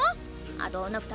あと女２人。